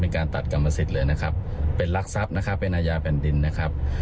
การตัดกรรมสิทธิ์เลยนะครับเป็นรักทรัพย์นะครับเป็นอาญาแผ่นดินนะครับ